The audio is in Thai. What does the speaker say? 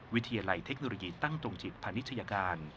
วิทยาลัยเทคโนโลยีตั้งตรงจิตพาณิชยาการ